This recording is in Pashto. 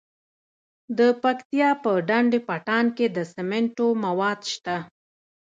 د پکتیا په ډنډ پټان کې د سمنټو مواد شته.